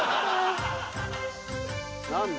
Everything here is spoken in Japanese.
何だ？